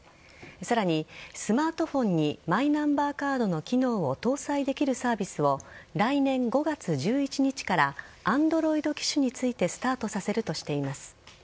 さらに、スマートフォンにマイナンバーカードの機能を搭載できるサービスを来年５月１１日からＡｎｄｒｏｉｄ機種についてスタートさせるとしています。